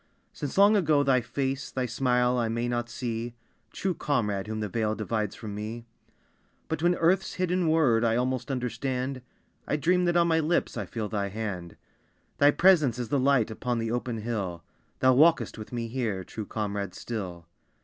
Since long ago thy face, Thy smile, I may not see, True comrade, whom the veil Divides from me. But when earth's hidden word I almost understand, I dream that on my lips I feel thy hand. Thy presence is the light Upon the open hill. Thou walkest with me here, True comrade still.